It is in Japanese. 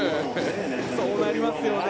そうなりますよね